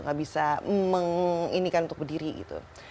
nggak bisa meng ini kan untuk berdiri gitu